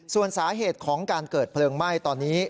ส่วนสาเหตุของการเกิดเพลิงไหม้ตอนนี้